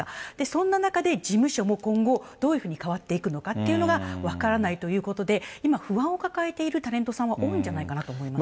そんな中で事務所も今後、どういうふうに変わっていくのかっていうのが分からないということで、今、不安を抱えているタレントさんが多いんじゃないかなと思います。